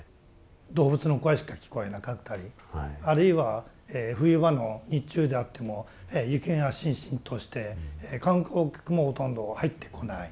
動物の声しか聞こえなかったりあるいは冬場の日中であっても雪がしんしんとして観光客もほとんど入ってこない。